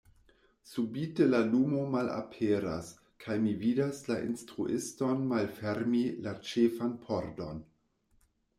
Subite la lumo malaperas, kaj mi vidas la instruiston malfermi la ĉefan pordon...